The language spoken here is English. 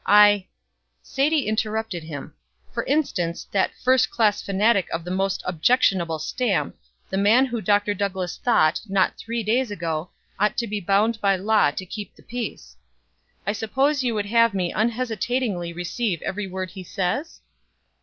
I " Sadie interrupted him. "For instance, that 'first class fanatic of the most objectionable stamp,' the man who Dr. Douglass thought, not three days ago, ought to be bound by law to keep the peace. I suppose you would have me unhesitatingly receive every word he says?"